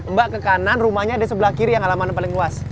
mbak ke kanan rumahnya ada di sebelah kiri yang halaman paling luas